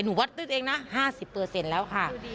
หนูวัดตัวเองนะ๕๐แล้วค่ะ